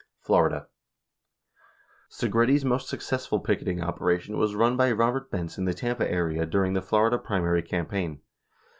Florida: Segretti's most successful picketing operation was run by Robert Benz in the Tampa area during the Florida primary campaign.